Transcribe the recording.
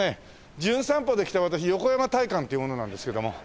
『じゅん散歩』で来た私横山大観っていう者なんですけども。